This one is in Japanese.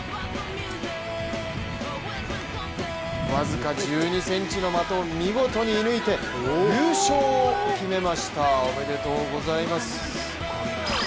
僅か１２ｃｍの的を見事に射ぬいて優勝を決めましたおめでとうございます！